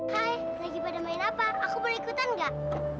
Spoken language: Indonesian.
hai lagi pada main apa aku boleh ikutan gak